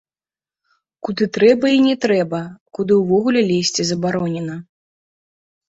Куды трэба і не трэба, куды ўвогуле лезці забаронена.